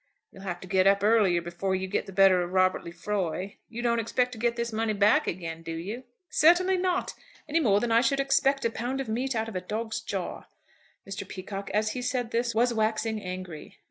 You'll have to get up earlier before you get the better of Robert Lefroy. You don't expect to get this money back again, do you?" "Certainly not, any more than I should expect a pound of meat out of a dog's jaw." Mr. Peacocke, as he said this, was waxing angry.